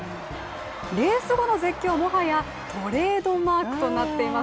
レース後の絶叫はもはやトレードマークとなっています。